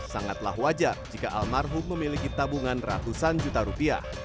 sangatlah wajar jika almarhum memiliki tabungan ratusan juta rupiah